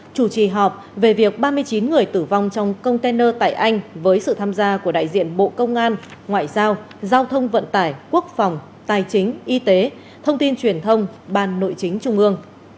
chủ trì họp về việc ba mươi chín người tử vong trong container tại anh với sự tham gia của đại diện bộ công an ngoại giao giao thông vận tải quốc phòng tài chính y tế thông tin truyền thông ban nội chính trung ương